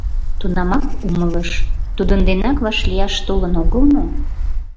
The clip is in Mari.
Тунамак умылыш: тудын денак вашлияш толын огыл мо?